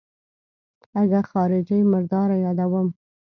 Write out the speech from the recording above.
اگه خارجۍ مرداره يادوم.